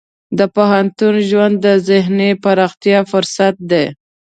د پوهنتون ژوند د ذهني پراختیا فرصت دی.